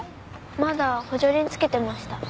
まだ補助輪付けてました。